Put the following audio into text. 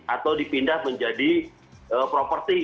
atau dipindah menjadi properti